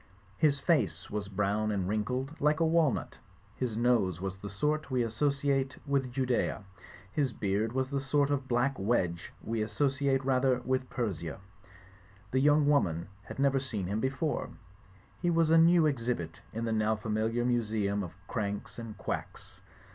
His face was brown and wrin kled like a walnut, his nose was of the sort we asso ciate with Judaea, his beard was the sort of black wedge we associate rather with Per3ia. The young woman had never seen him before ; he was a new exhibit in the now familiar museum of Cranks and quacks.